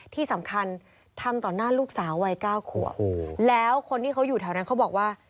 ที่สำคัญทำต่อหน้าลูกสาววัยเก้าขวบแล้วคนที่เขาอยู่แถวนั้นเขาบอกว่า